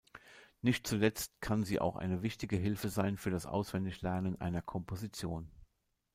Nicht zuletzt kann sie auch eine wichtige Hilfe sein für das Auswendiglernen einer Komposition.